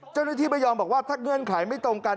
เจ้าหน้าที่ไม่ยอมบอกว่าถ้าเงื่อนไขไม่ตรงกัน